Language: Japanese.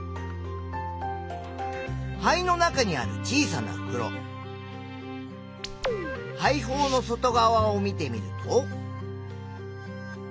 肺の中にある小さなふくろ肺胞の外側を見てみると。